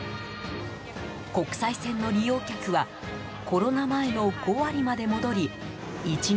国際線の利用客はコロナ前の５割まで戻り１日